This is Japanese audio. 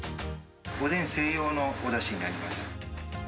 おでん専用のおだしになります。